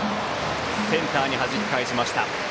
センターにはじき返しました。